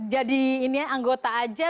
jadi ini ya anggota aja